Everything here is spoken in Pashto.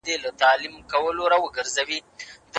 که ښوونکی زده کوونکي درک کړي، ستونزي نه پټېږي.